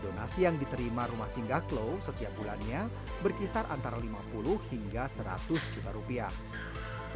donasi yang diterima rumah singgah klo setiap bulannya berkisar antara lima puluh hingga seratus juta rupiah